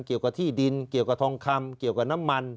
เกี่ยวกับที่ดินเกี่ยวกับทองคำเกี่ยวกับน้ำมัน